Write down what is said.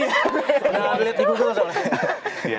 nah liat di google soalnya